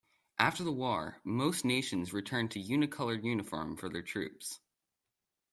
After the war, most nations returned to a unicoloured uniform for their troops.